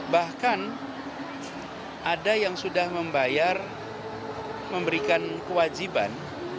bahkan ada yang sudah membayar memberikan kewajiban